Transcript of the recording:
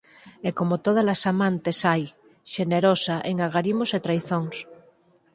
E como tódalas amantes, ai!, xenerosa en agarimos e traizóns.